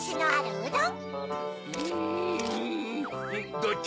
うん！